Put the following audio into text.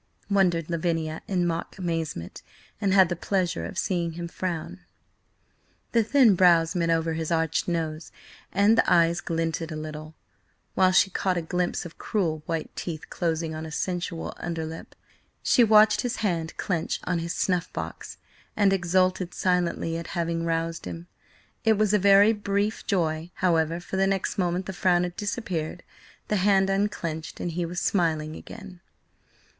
wondered Lavinia in mock amazement, and had the pleasure of seeing him frown. The thin brows met over his arched nose, and the eyes glinted a little, while she caught a glimpse of cruel white teeth closing on a sensual under lip. She watched his hand clench on his snuff box, and exulted silently at having roused him. It was a very brief joy, however, for the next moment the frown had disappeared, the hand unclenched, and he was smiling again.